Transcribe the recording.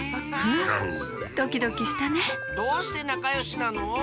ドキドキしたねどうしてなかよしなの？